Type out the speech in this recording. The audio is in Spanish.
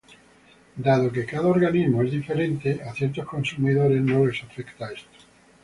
Dado que cada organismo es diferente, a ciertos consumidores no les afecta esto.